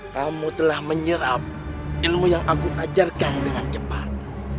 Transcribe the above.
kamu telah menyerap ilmu yang aku ajarkan dengan cepat